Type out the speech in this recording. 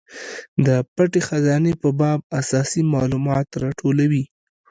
د پټې خزانې په باب اساسي مالومات راټولوي.